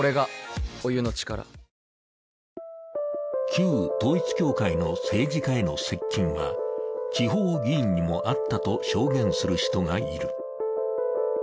旧統一教会の政治家への接近は地方議員にもあったと証言する人がいる。